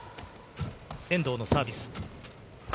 遠藤のサービス。